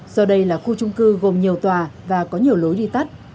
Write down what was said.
do đây là khu trung cư gồm nhiều tòa và có nhiều lối đi tắt